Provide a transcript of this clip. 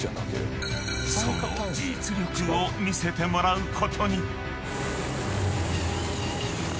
［その実力を見せてもらうことに］